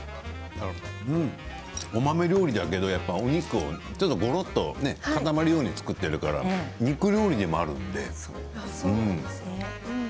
お豆料理だけどお肉をちょっとごろっとかたまるように作っているから肉料理でもありますね。